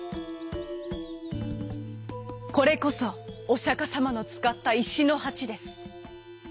「これこそおしゃかさまのつかったいしのはちです」。